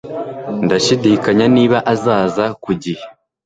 Ndashidikanya niba azaza ku gihe